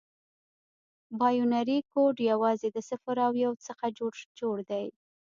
بایونري کوډ یوازې د صفر او یو څخه جوړ دی.